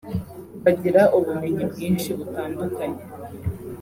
bagira ubumenyi bwinshi butandukanye